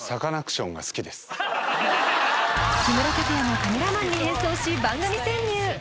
木村拓哉がカメラマンに変装し番組潜入